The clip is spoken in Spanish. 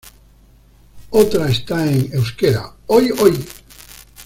Otra está en euskera, "Oi-Oi!!!".